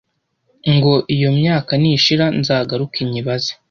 ngo iyo myaka nishira nzagaruke nyibaze